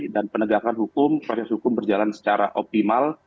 dan penegakan hukum proses hukum berjalan secara optimal